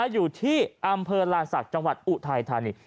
อยู่ที่อำเภอลานศักดิ์จังหวัดอุทัยธานี